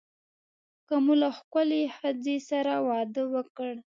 که مو له ښکلې ښځې سره واده وکړ.